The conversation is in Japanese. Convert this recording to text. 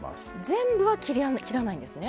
全部は切らないんですね。